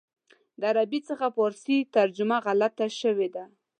د عربي څخه فارسي ترجمه غلطه شوې ده.